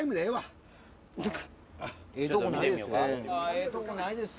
ええとこないですよ。